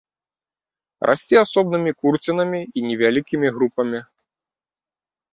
Расце асобнымі курцінамі і невялікімі групамі.